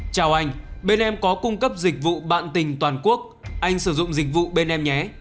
chào anh bên em có cung cấp dịch vụ bạn tình toàn quốc anh sử dụng dịch vụ bên em nhé